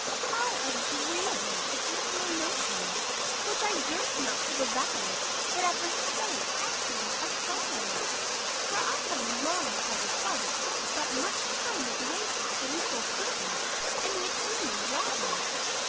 How agreeable is this to my notions; which I durst not have avowed, but after so excellent a scholar! For I have long had the thought, that much time is wasted to little purpose in the attaining of Latin.